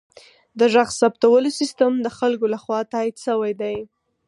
د غږ ثبتولو سیستم د خلکو لخوا تایید شوی دی.